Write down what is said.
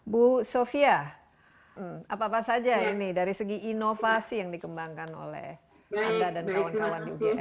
bu sofia apa apa saja ini dari segi inovasi yang dikembangkan oleh anda dan kawan kawan di ugm